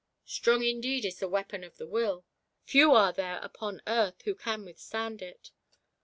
Strong indeed is the weapon of the Will, few are there upon earth who can withstand it